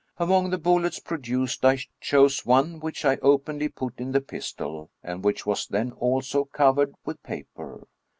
Among the bullets produced, I chose one which I openly put in the pistol, and which was then also covered with paper.